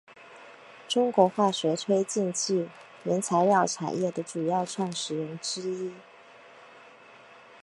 中国化学推进剂原材料产业的主要创始人之一。